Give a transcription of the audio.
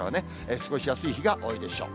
過ごしやすい日が多いでしょう。